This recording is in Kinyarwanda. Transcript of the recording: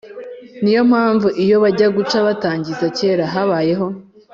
Ni yo mpamvu iyo bajya guca batangiza kera habayeho